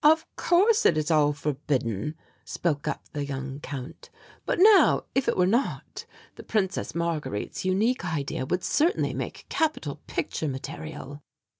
"Of course it is all forbidden," spoke up the young Count, "but now, if it were not, the Princess Marguerite's unique idea would certainly make capital picture material."